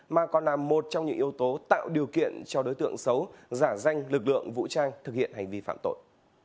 mà còn là một trong những yếu tố tạo điều kiện cho đối tượng xấu giả danh lực lượng vũ trang thực hiện hành vi phạm tội